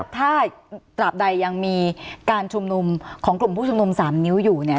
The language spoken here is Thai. ถ้าตราบใดยังมีการชุมนุมของกลุ่มผู้ชุมนุม๓นิ้วอยู่เนี่ย